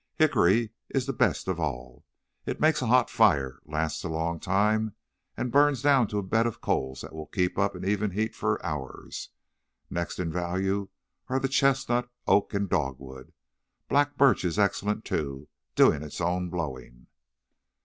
Hickory is the best of all. It makes a hot fire, lasts a long time, and burns down to a bed of coals that will keep up an even heat for hours. Next in value are the chestnut, oak and dogwood. Black birch is excellent, too, doing its own blowing."